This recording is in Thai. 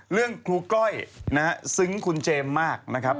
เรื่องครูก้อยซึ้งคุณเจมส์มากนะครับ